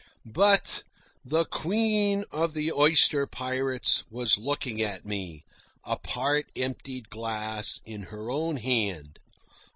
But the Queen of the Oyster Pirates was looking at me, a part emptied glass in her own hand.